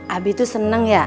abi tuh seneng ya